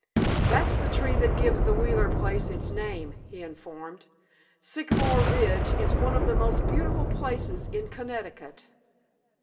"That's the tree that gives the Wheeler place its name," he informed. "Sycamore Ridge is one of the most beautiful places in Connecticut."